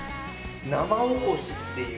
生おこしっていう。